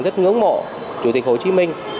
rất ngưỡng mộ chủ tịch hồ chí minh